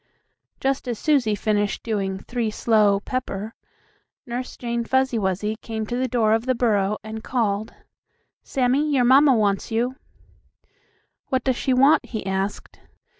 Just as Susie finished doing "three slow, pepper," Nurse Jane Fuzzy Wuzzy came to the door of the burrow, and called: "Sammie, your mamma wants you." "What does she want?" he asked.